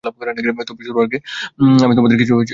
তবে শুরু করার আগে আমি তোমাদের কিছু জিজ্ঞাসা করতে চাই।